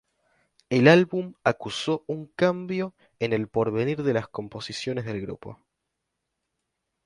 El álbum acusó un cambio en el porvenir de las composiciones del grupo.